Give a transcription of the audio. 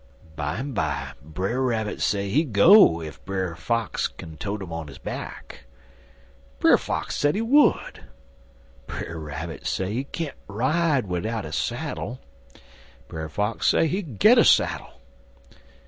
Bimeby Brer Rabbit say he go ef Brer Fox tote 'im on his back. Brer Fox say he would. Brer Rabbit say he can't ride widout a saddle. Brer Fox say he git de saddle.